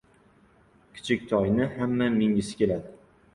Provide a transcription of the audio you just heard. • Kichik toyni hamma mingisi keladi.